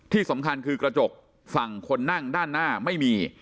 ที่สำคัญคือกระจกฝั่งคนนั่งด้านหน้าไม่มี